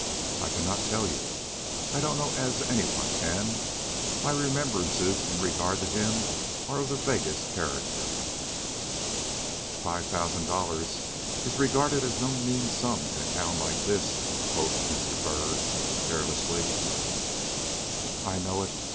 "I cannot tell you. I don't know as any one can. My remembrances in regard to him are of the vaguest character." "Five thousand dollars is regarded as no mean sum in a town like this," quoth Mr. Byrd, carelessly. "I know it.